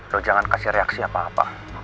loh jangan kasih reaksi apa apa